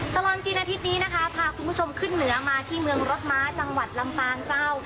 ตลอดกินอาทิตย์นี้นะคะพาคุณผู้ชมขึ้นเหนือมาที่เมืองรถม้าจังหวัดลำปางเจ้า